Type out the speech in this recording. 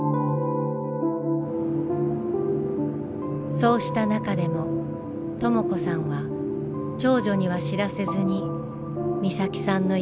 そうした中でもとも子さんは長女には知らせずに美咲さんの行方を捜し続けていました。